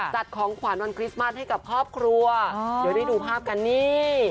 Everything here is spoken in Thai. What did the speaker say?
จัดของขวัญวันคริสต์มัสให้กับครอบครัวเดี๋ยวได้ดูภาพกันนี่